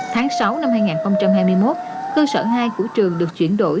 tháng sáu năm hai nghìn hai mươi một cơ sở hai của trường được chuyển đổi